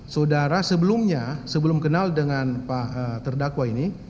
saudara sebelumnya sebelum kenal dengan pak terdakwa ini